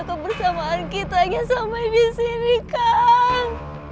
kebersamaan kita hanya sampai di sini kang